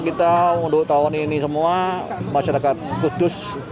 kita untuk tahun ini semua masyarakat kudus